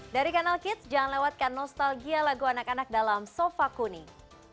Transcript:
dari kanal kids jangan lewatkan nostalgia lagu anak anak dalam sofa kuning